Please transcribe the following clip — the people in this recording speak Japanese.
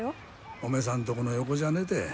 おめさんとこの横じゃねて。